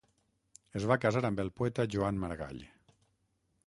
Es va casar amb el poeta Joan Maragall.